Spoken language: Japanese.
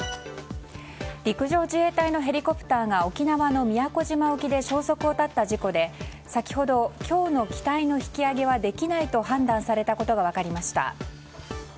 陸上自衛隊のヘリコプターが沖縄の宮古島沖で消息を絶った事故で先ほど、今日の機体の引き揚げはできないと判断されたことが分かりました。